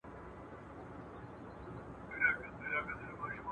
حقیقتونه څنګه رامنځته سوي دي؟